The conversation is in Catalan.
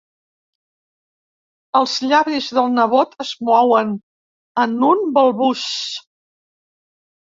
Els llavis del nebot es mouen, en un balbuç.